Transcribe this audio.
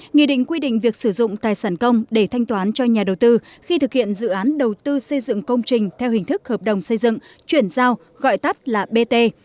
nghị định quy định việc sử dụng tài sản công để thanh toán cho nhà đầu tư khi thực hiện dự án đầu tư xây dựng công trình theo hình thức hợp đồng xây dựng chuyển giao gọi tắt là bt